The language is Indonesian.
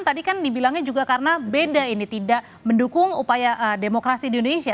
tadi kan dibilangnya juga karena beda ini tidak mendukung upaya demokrasi di indonesia